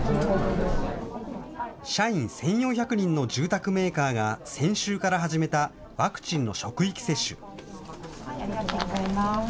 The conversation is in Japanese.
社員１４００人の住宅メーカーが先週から始めたワクチンの職域接種。